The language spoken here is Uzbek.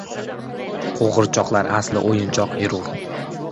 Qo‘g‘irchoqlar asli o‘yinchoq erur